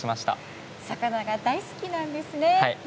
魚が大好きなんですね。